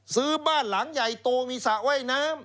ซื้อบ้านหลังใหญ่โตมีสระว่ายน้ำ